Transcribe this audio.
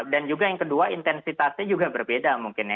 dan juga yang kedua intensitasnya juga berbeda mungkin ya